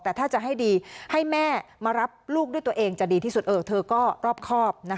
แต่ถ้าจะให้ดีให้แม่มารับลูกด้วยตัวเองจะดีที่สุดเธอก็รอบครอบ